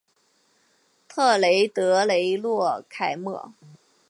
特雷德雷洛凯莫。